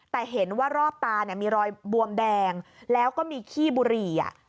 แต่เห็นว่ารอบตาเนี่ยมีรอยบวมแดงแล้วก็มีขี้บุหรี่